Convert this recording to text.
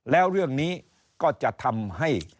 แล้วเรื่องนี้ก็จะทำให้